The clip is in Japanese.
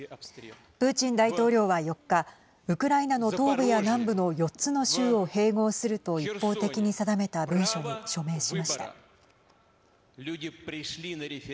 プーチン大統領は、４日ウクライナの東部や南部の４つの州を併合すると一方的に定めた文書に署名しました。